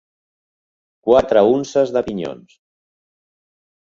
Quatre unces de pinyons.